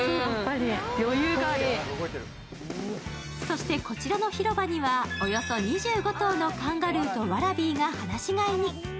そして、こちらの広場にはおよそ２５頭のカンガルーとワラビーが放し飼いに。